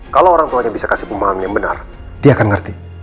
kalau orang tuanya bisa kasih pemahaman yang benar dia akan ngerti